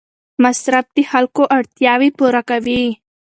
مصرف د خلکو اړتیاوې پوره کوي.